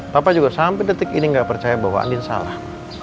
bapak juga sampai detik ini nggak percaya bahwa andin salah